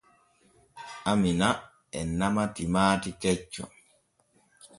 Amina e nama timaati kecco.